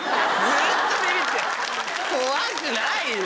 ずっとビビって怖くないよ！